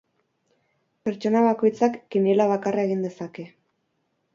Pertsona bakoitzak kiniela bakarra egin dezake.